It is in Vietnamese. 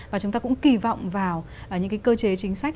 và chúng ta cũng kỳ vọng vào những cái cơ chế chính sách